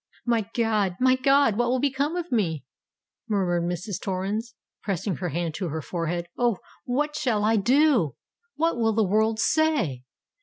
"My God! my God! what will become of me?" murmured Mrs. Torrens, pressing her hand to her forehead. "Oh! what shall I do? what will the world say?